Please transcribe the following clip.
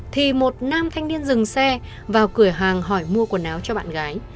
thì một nam thanh niên dừng xe vào cửa hàng hỏi mua quần áo cho bạn gái